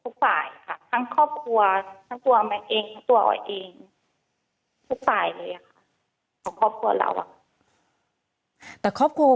ทุกฝ่ายเลยค่ะของครอบครัวเรา